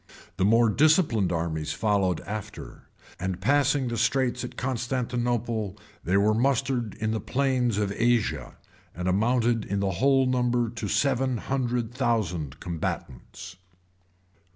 The more disciplined armies followed after; and passing the straits at Constantinople, they were mustered in the plains of Asia, and amounted in the whole to the number of seven hundred thousand combatants.